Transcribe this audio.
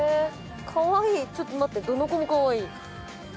かわいいちょっと待ってどの子もかわいい。